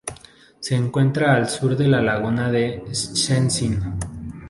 Se encuentra al sur de la laguna de Szczecin.